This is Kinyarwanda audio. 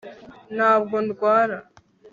ntabwo ndwara